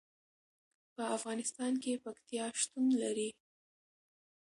په افغانستان کې پکتیا شتون لري.